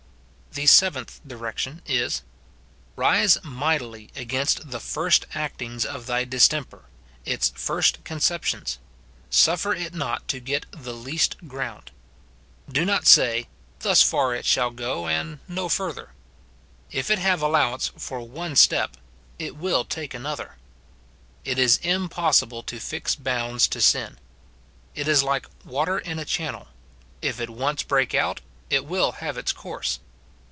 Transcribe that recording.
The SEVENTH direction is, — Rise mightily against the first actings of thy dis temper, its first conceptions; sufier it not to get the least ground. Do not say, " Thus far it shall go, and no further." If it have allowance for one step, it will take another. It is impossible to fix bounds to sin. It is like water in a channel, — if it once break out, it will have its course.